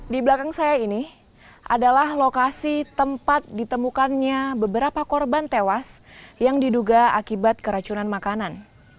di belakang saya ini adalah lokasi tempat ditemukannya beberapa korban tewas yang diduga akibat keracunan makanan